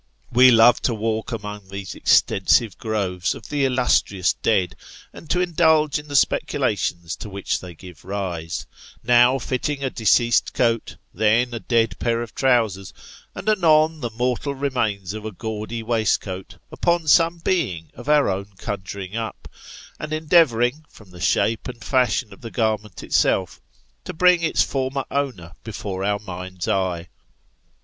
We love to walk among these extensive groves of the illustrious dead, and to indulge in the speculations to which they give rise ; now fitting a deceased coat, then a dead pair of trousers, and anon the mortal remains of a gaudy waistcoat, upon some being of our own conjuring up, and endeavouring, from the shape and fashion of the garment itself, to bring its former owner before our mind's eye.